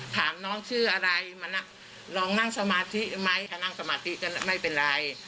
ถามน้องชื่ออะไรมาลองนั่งสมาธิไหมถ้านั่งสมาธิก็ไม่เป็นไร